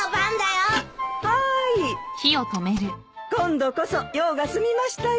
今度こそ用が済みましたよ。